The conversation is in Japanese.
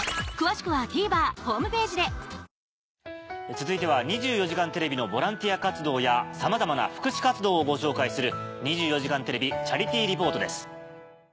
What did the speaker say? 続いては『２４時間テレビ』のボランティア活動やさまざまな福祉活動をご紹介する。